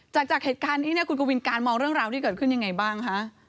จากเหตุการณ์นี้เนี่ยคุณกวินการมองเรื่องราวที่เกิดขึ้นยังไงบ้างคะ